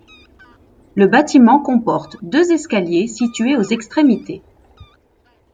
Le bâtiment comporte deux escaliers situés aux extrémités.